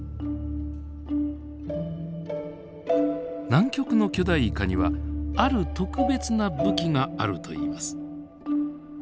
南極の巨大イカにはある特別な武器があるといいます。